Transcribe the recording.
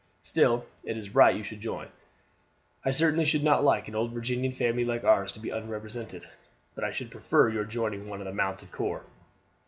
Still it is right you should join. I certainly should not like an old Virginian family like ours to be unrepresented; but I should prefer your joining one of the mounted corps.